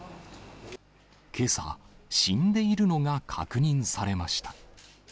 けさ、死んでいるのが確認されました。